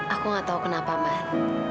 aku gak tahu kenapa man